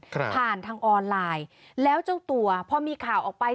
ผ่านทางออนไลน์แล้วเจ้าตัวพอมีข่าวออกไป